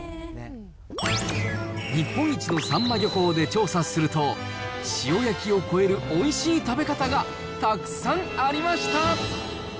日本一のサンマ漁港で調査すると、塩焼きを超えるおいしい食べ方がたくさんありました。